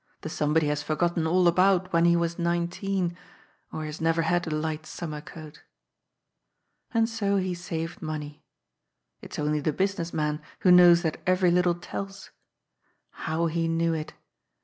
The somebody has forgotten all about when he was nineteen, or he has neyer had a light summer coat. And so he saved money. It's only the business man who knows that every little tells. How he knew it